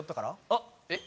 あっえっ？